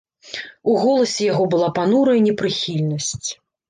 У голасе яго была панурая непрыхільнасць.